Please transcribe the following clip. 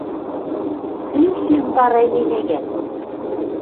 Кӱн шӱм вара ӹне ньӹгӓт?